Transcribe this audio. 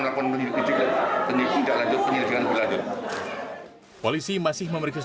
melakukan penyelidikan juga tidak lanjut penyelidikan beladuk polisi masih memeriksa